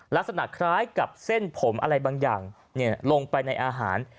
ลักษณะคล้ายกับเส้นผมอะไรบางอย่างลงไปในอาหาร